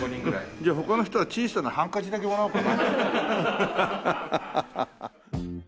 じゃあ他の人は小さなハンカチだけもらおうかな。